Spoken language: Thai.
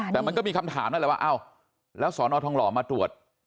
แต่มันก็มีคำถามนั่นแหละว่าเอ้าแล้วสอนอทองหล่อมาตรวจ